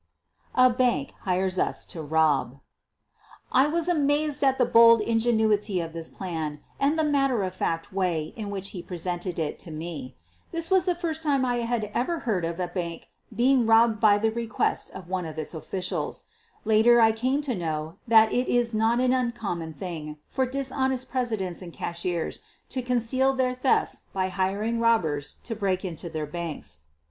A BANKER HIRES US TO ROB I was amazed at the bold ingenuity of this plan and the matter of fact way in which he presented it ' to me. This was the first I had ever heard of a v bank being robbed by request of one of its officials. Later I came to know that it is not an uncommon thing for dishonest presidents and cashiers to con ceal their thefts by hiring robbers to break into their banks.